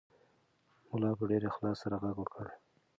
ملا په ډېر اخلاص سره غږ وکړ.